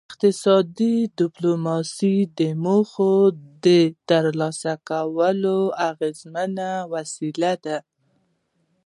اقتصادي ډیپلوماسي د موخو د ترلاسه کولو اغیزمنه وسیله ده